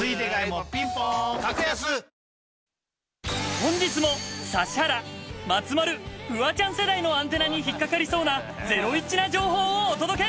本日も指原、松丸、フワちゃん世代のアンテナに引っ掛かりそうなゼロイチな情報をお届け！